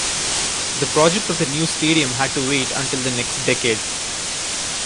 The project of the new stadium had to wait until the next decade.